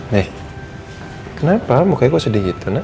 nih kenapa mukanya kok sedih gitu nak